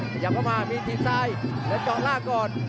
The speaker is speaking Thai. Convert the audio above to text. ขยับเข้ามามีทีมซ้ายและดอกลาก่อน